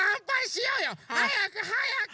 はやくはやく！